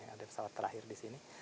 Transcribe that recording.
ada pesawat terakhir di sini